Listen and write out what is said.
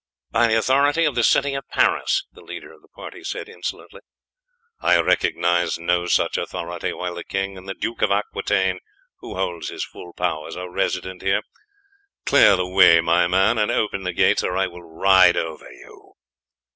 "By the authority of the city of Paris," the leader of the party said insolently. "I recognize no such authority while the king and the Duke of Aquitaine, who holds his full powers, are resident here. Clear the way, my man, and open the gates, or I will ride over you."